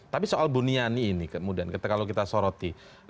tapi soal buniani ini kemudian kalau kita soroti